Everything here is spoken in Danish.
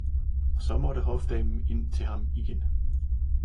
og saa maatte Hofdamen ind til ham igjen.